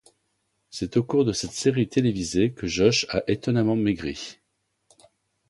C'est au cours de cette série télévisée que Josh a étonnement maigri.